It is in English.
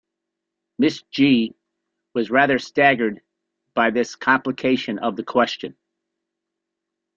Miss G. was rather staggered by this complication of the question.